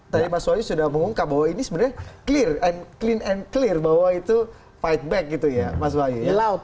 tadi mas wahyu sudah mengungkap bahwa ini sebenarnya clear and clean and clear bahwa itu fight back gitu ya mas wahyu